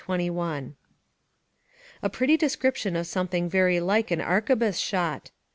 21.] A pretty description of something very like an arquebuse shot.